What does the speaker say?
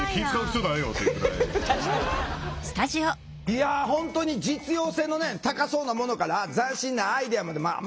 いや本当に実用性の高そうなものから斬新なアイデアまでまあ